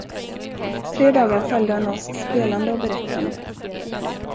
Tre dagar följde han oss spelande och berättande.